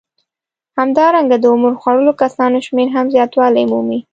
همدارنګه د عمر خوړلو کسانو شمېر هم زیاتوالی مومي